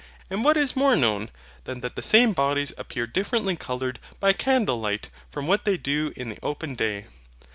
And what is more known than that the same bodies appear differently coloured by candle light from what they do in the open day?